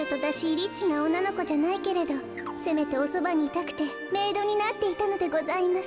リッチなおんなのこじゃないけどせめておそばにいたくてメイドになっていたのでございます。